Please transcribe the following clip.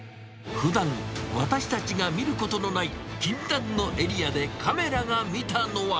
ふだん、私たちが見ることのない禁断のエリアでカメラが見たのは。